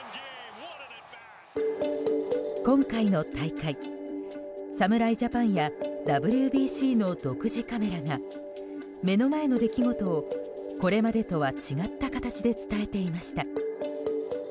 今回の大会、侍ジャパンやＷＢＣの独自カメラが目の前の出来事をこれまでとは違った形で伝えていました。